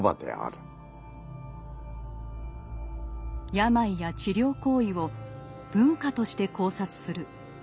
病や治療行為を文化として考察する。